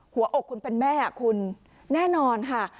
หัวอกคุณเป็นแม่อะนายแน่นอนค่ะ